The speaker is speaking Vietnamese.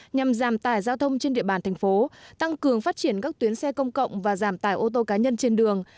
nhằm giảm tải giao thông trên địa bàn thành phố tăng cường phát triển các tuyến xe công cộng và giảm tải ô tô cá nhân trên đường